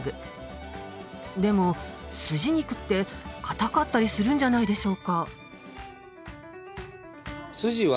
でもスジ肉ってかたかったりするんじゃないでしょうか？